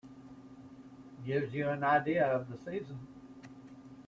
Gives you an idea of the season.